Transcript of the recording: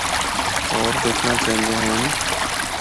ہور دکھنڑا چہندے ہن۔